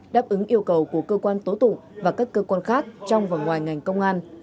đáp ứng yêu cầu của cơ quan tố tụng và các cơ quan khác trong và ngoài ngành công an